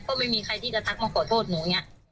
ก็ไม่มีใครที่จะทักมาขอโทษหนู